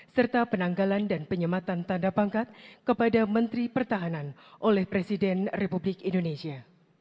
serta penanggalan dan penyematan tanda pangkat kepada menteri pertahanan oleh presiden republik indonesia